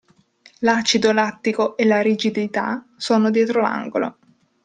L'acido lattico e la rigidità sono dietro l'angolo.